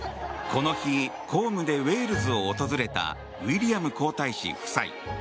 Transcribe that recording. この日、公務でウェールズを訪れたウィリアム皇太子夫妻。